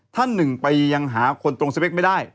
ท่านหนึ่งไปยังหาคนตรงสเปคไม่ได้